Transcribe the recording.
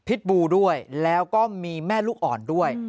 บูด้วยแล้วก็มีแม่ลูกอ่อนด้วย